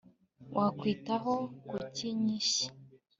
wakwitaho kuki nyinshi